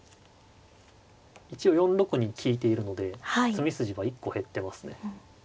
一応４六に利いているので詰み筋は１個減ってますね。